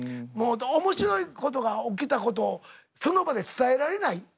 面白いことが起きたことをその場で伝えられない。